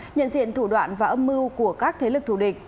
nhận diện thủ đoạn và âm mưu của các thế lực thù địch